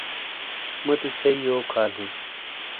موتی ژھئیی یوک حال ہِیں۔